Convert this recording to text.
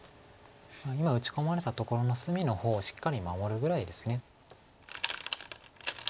今打ち込まれたところの隅の方をしっかり守るぐらいです。